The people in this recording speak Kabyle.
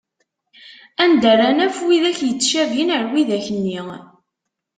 Anda ara naf widak yettcabin ar widak-nni?